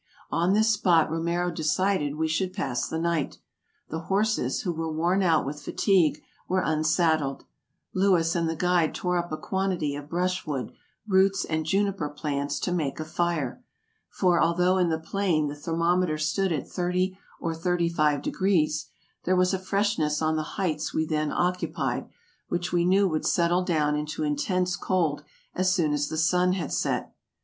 On this spot Romero decided that we should pass the night. The horses, who were worn out with fatigue, were unsaddled ; Louis and the guide tore up a quantity of brushwood, roots, and juniper plants to make a fire, for although in the plain the thermometer stood at thirty or thirty five degrees, there was a freshness on the heights we then occupied, which we knew would settle down into intense cold as soon as the sun had set.